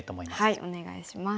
はいお願いします。